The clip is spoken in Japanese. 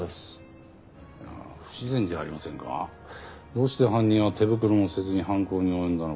どうして犯人は手袋もせずに犯行に及んだのか。